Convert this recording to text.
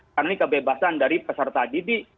karena ini kebebasan dari peserta didik